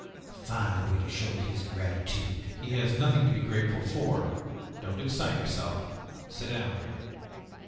A fine way to show his gratitude!" "He has nothing to be grateful for. Don't excite yourself! Sit down again.